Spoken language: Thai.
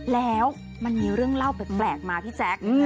แล้วมันมีเรื่องเล่าแปลกมาพี่แจ๊ค